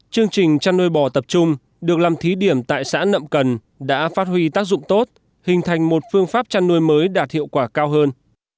chương trình chăn nuôi bò tập trung được làm thí điểm tại xã nậm cần đã phát huy tác dụng tốt hình thành một phương pháp chăn nuôi mới đạt hiệu quả cao hơn